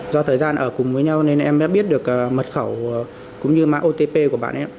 do thời gian ở cùng với nhau nên em đã biết được mật khẩu cũng như mã otp của bạn em